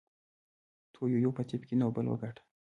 تو یویو په طب کې نوبل وګاټه.